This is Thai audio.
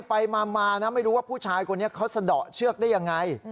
ไปมานะไม่รู้ว่าผู้ชายคนนี้เขาสะดอกเชือกได้ยังไง